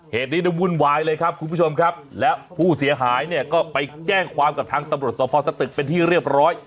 เหตุนี้ได้วุ่นวายเลยครับคุณผู้ชมครับแล้วผู้เสียหายเนี่ยก็ไปแจ้งความกับทางตำรวจสภสตึกเป็นที่เรียบร้อย